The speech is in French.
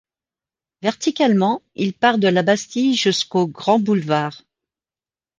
Verticalement, il part de la Bastille jusqu'aux grands boulevards.